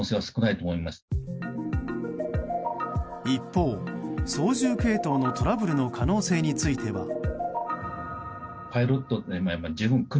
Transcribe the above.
一方、操縦系統のトラブルの可能性については。